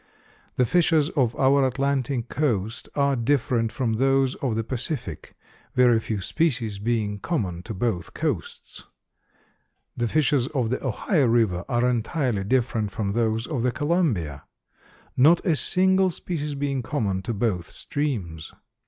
The fishes of our Atlantic coast are different from those of the Pacific, very few species being common to both coasts. The fishes of the Ohio river are entirely different from those of the Columbia, not a single species being common to both streams.